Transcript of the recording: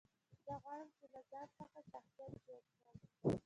زه غواړم، چي له ځان څخه شخصیت جوړ کړم.